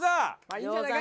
いいんじゃないか？